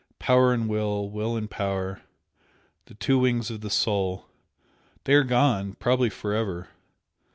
Power and Will! Will and Power! the two wings of the Soul! they are gone, probably for ever.